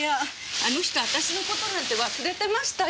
あの人私の事なんて忘れてましたよ。